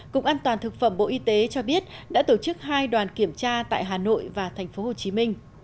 cục an toàn thực phẩm bộ y tế cho biết đã tổ chức hai đoàn kiểm tra tại hà nội và tp hcm